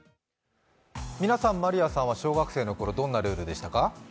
みなさん、まりあさんは小学生のとき、どんなルールでしたか？